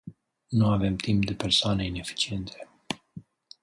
Nu avem timp de persoane ineficiente.